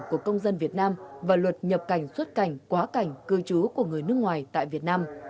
của công dân việt nam và luật nhập cảnh xuất cảnh quá cảnh cư trú của người nước ngoài tại việt nam